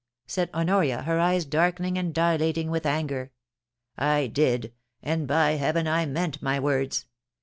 said Honoria, her eyes darkening and dilating with anger. * I did — and by heaven I meant my words